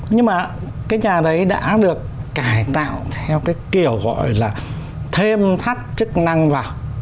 nhưng mà cái nhà đấy đã được cải tạo theo cái kiểu gọi là thêm thắt chức năng vào